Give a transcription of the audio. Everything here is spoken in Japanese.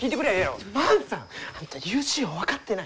万さんあんたユーシーを分かってない！